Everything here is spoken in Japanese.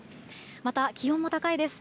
また、気温も高いです。